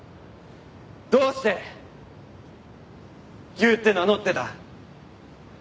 どうして「ユウ」って名乗ってた？